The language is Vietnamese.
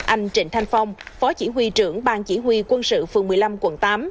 anh trịnh thanh phong phó chỉ huy trưởng ban chỉ huy quân sự phường một mươi năm quận tám